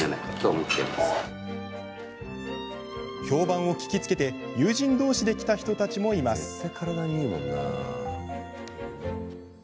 評判を聞きつけて友人どうしで来た人たちもいます。